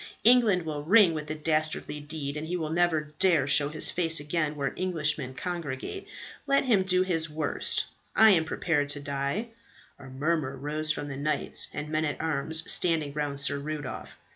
England will ring with the dastardly deed, and he will never dare show his face again where Englishmen congregate. Let him do his worst. I am prepared to die." A murmur rose from the knights and men at arms standing round Sir Rudolph.